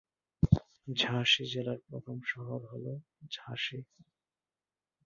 ঝাঁসি জেলার প্রধান শহর হ'ল ঝাঁসি।